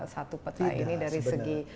satu peta ini dari segi